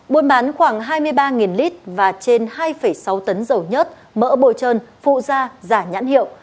buôn bán khoảng hai mươi ba lít và trên hai sáu tấn dầu nhớt mỡ bồi trơn phụ da giả nhãn hiệu